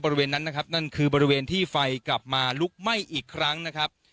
บริเวณนั้นนะครับนั่นคือบริเวณที่ไฟกลับมาลุกไหม้อีกครั้งนะครับ